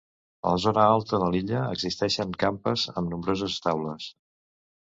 A la zona alta de l'illa existeixen campes amb nombroses taules.